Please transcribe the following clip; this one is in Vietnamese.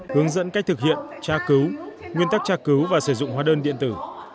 hướng dẫn cách thực hiện tra cứu nguyên tắc tra cứu và sử dụng hóa đơn điện tử